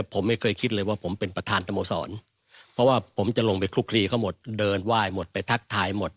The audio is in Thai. เพราะว่าผมจะลงไปครุกครีเขาหมดเดินไหว้หมดไปทักทายหมด